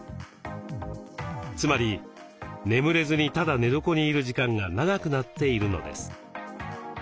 つまり眠れずにただ寝床にいる時間が長くなっているのです。